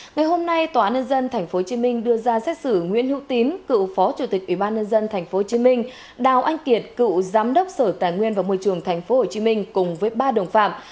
ngày hôm nay tòa nân dân tp hcm đưa ra xét xử nguyễn hữu tín cựu phó chủ tịch ủy ban nân dân tp hcm đào anh kiệt cựu giám đốc sở tài nguyên và môi trường tp hcm cùng với ba đồng phạm